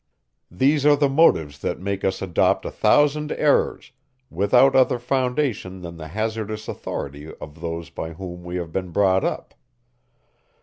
These are the motives that make us adopt a thousand errors, without other foundation than the hazardous authority of those by whom we have been brought up.